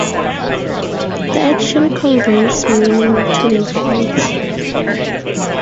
The action conveys meaning to the viewers.